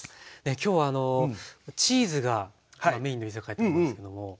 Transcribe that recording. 今日はチーズがメインの居酒屋ってことですけども。